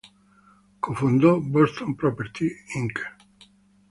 Co-fundó Boston Properties, Inc.